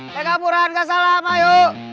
tengah pura tengah salam ayo